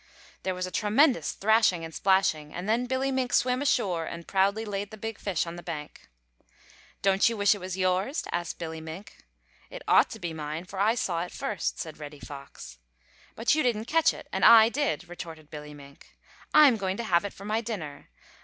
There was a tremendous thrashing and splashing, and then Billy Mink swam ashore and proudly laid the big fish on the bank. "Don't you wish it was yours?" asked Billy Mink. "It ought to be mine, for I saw it first," said Reddy Fox. "But you didn't catch it and I did," retorted Billy Mink. "I'm going to have it for my dinner.